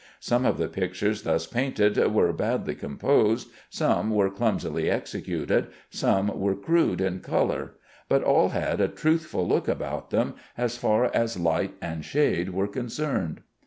Some of the pictures thus painted were badly composed, some were clumsily executed, some were crude in color, but all had a truthful look about them as far as light and shade were concerned.